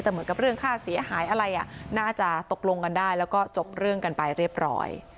แต่เหมือนกับเรื่องค่าเสียหายอะไรน่าจะตกลงกันได้แล้วก็จบเรื่องกันไปเรียบร้อย